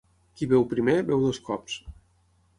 Qui beu primer, beu dos cops.